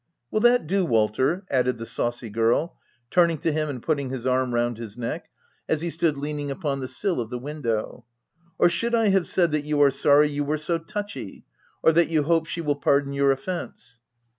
— Will that do, Walter ?" added the saucy girl, turning to him and putting her arm round his neck, as he stood leaning upon the sill of the window —" or should I have said that you are sorry you were so touchy ? or that you hope she will pardon your offence